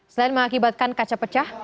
selain mengakibatkan kaca pecah